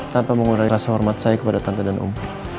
tanpa mengurangi rasa hormat saya kepada tante dan umroh